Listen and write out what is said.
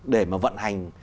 để mà vận hành